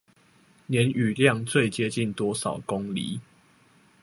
年雨量最接近多少公釐？